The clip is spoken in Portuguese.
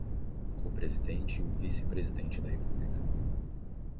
o presidente e o vice-presidente da República